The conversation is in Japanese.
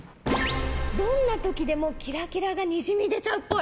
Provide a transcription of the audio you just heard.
どんな時でもキラキラがにじみ出ちゃうっぽい。